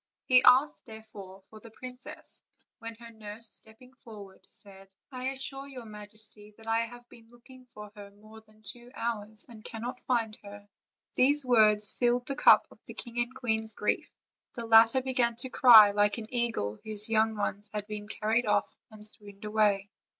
He asked therefore for the princess, when her nurse, stepping forward, said: "I assure your majesty that I have been looking for her more than two hours, and cannot find her." These words filled the cup of the king and queen's grief; the latter began to cry like an eagle whose young ones have been carried off, and swooned away.